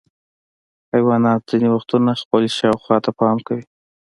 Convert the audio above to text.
حیوانات ځینې وختونه خپل شاوخوا ته پام کوي.